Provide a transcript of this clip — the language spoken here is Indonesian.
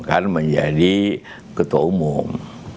kan menjadi ketua umum